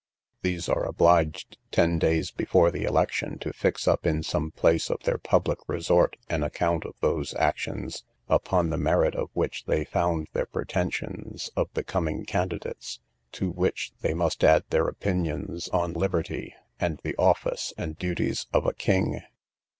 These are obliged, ten days before the election, to fix up in some place of their public resort an account of those actions, upon the merit of which they found their pretensions of becoming candidates; to which they must add their opinions on liberty, and the office and duties of a king.